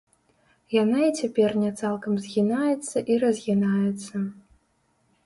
Яна і цяпер не цалкам згінаецца і разгінаецца.